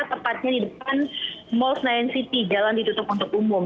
tepatnya di depan mall senayan city jalan ditutup untuk umum